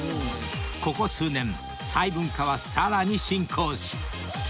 ［ここ数年細分化はさらに進行し］